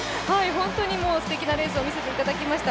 本当にすてきなレースを見せていただきました。